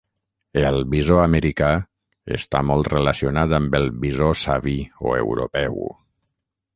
El bisó americà està molt relacionat amb el bisó savi o europeu.